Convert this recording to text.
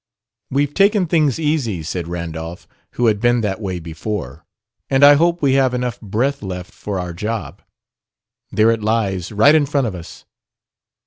"We've taken things easy," said Randolph, who had been that way before, "and I hope we have enough breath left for our job. There it lies, right in front of us."